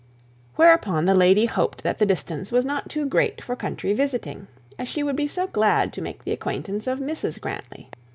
Whereupon the lady hoped that the distance was not too great for country visiting, as she would be so glad to make the acquaintance of Mrs Grantly.